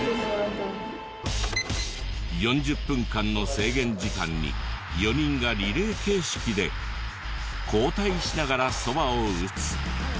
４０分間の制限時間に４人がリレー形式で交代しながらそばを打つ。